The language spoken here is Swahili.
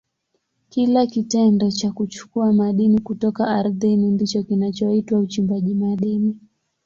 Kile kitendo cha kuchukua madini kutoka ardhini ndicho kinachoitwa uchimbaji madini.